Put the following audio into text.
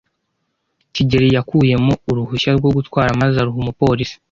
kigeli yakuyemo uruhushya rwo gutwara maze aruha umupolisi.